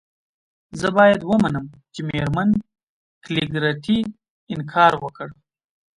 زه باید ومنم چې میرمن کلیګرتي انکار وکړ